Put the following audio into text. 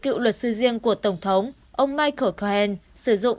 cựu luật sư riêng của tổng thống ông michael cohen sử dụng